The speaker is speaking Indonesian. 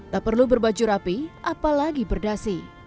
tak perlu berbaju rapi apalagi berdasi